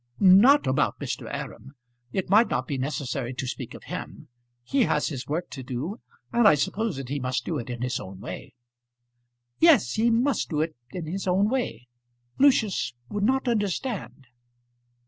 "Not about Mr. Aram. It might not be necessary to speak of him. He has his work to do; and I suppose that he must do it in his own way?" "Yes; he must do it, in his own way. Lucius would not understand."